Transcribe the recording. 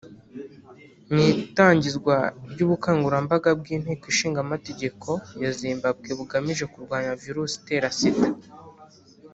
Mu itangizwa ry’ubukangurambaga bw’inteko ishinga amategeko ya Zimbabwe bugamije kurwanya virus itera Sida